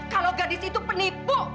kalau gadis itu penipu